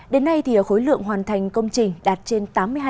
đến nay khối lượng hoàn thành công trình đạt trên tám mươi hai